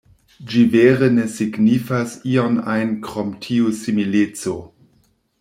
Ĝi vere ne signifas ion ajn krom tiu simileco.